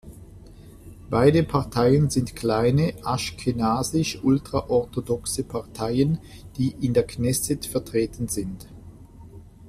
Beide Parteien sind kleine, aschkenasisch-ultraorthodoxe Parteien, die in der Knesset vertreten sind.